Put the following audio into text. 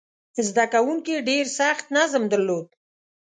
زده کوونکي ډېر سخت نظم درلود.